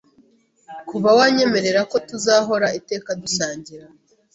kuva wanyemererako tuzahora iteka dusangira